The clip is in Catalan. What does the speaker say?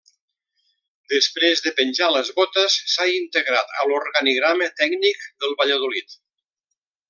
Després de penjar les botes, s'ha integrat a l'organigrama tècnic del Valladolid.